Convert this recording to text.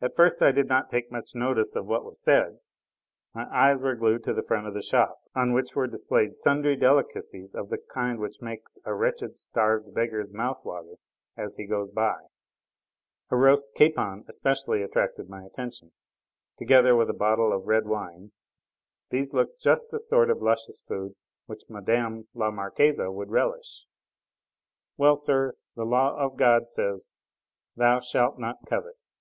At first I did not take much notice of what was said: my eyes were glued to the front of the shop, on which were displayed sundry delicacies of the kind which makes a wretched, starved beggar's mouth water as he goes by; a roast capon especially attracted my attention, together with a bottle of red wine; these looked just the sort of luscious food which Mme. la Marquise would relish. Well, sir, the law of God says: "Thou shalt not covet!"